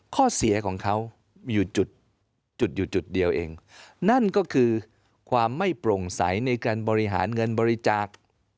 ข้อเสียของเขามีอยู่จุดจุดอยู่จุดเดียวเองนั่นก็คือความไม่โปร่งใสในการบริหารเงินบริจาค